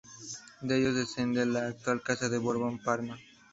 De ellos desciende la actual Casa de Borbón-Parma.